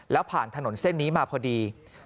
แล้วผ่านถนนเส้นนี้มาพอดี